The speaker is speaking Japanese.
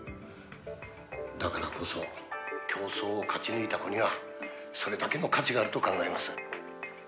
「だからこそ競争を勝ち抜いた子にはそれだけの価値があると考えます」